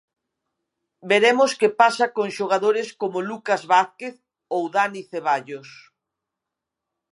Veremos que pasa con xogadores como Lucas Vázquez ou Dani Ceballos.